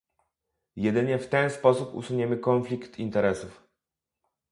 Jedynie w ten sposób usuniemy konflikt interesów